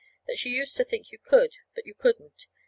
That she used to think you could. But you couldn't.